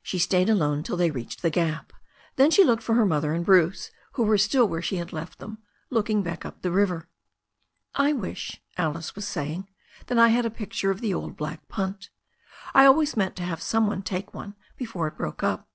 She stayed alone till they reached the gap. Then she looked for her mother and Bruce, who were still where she had left them, looking back up the river. "I wish," Alice was saying, "that I had a picture of the old black punt I always meant to have some one take one before it broke up."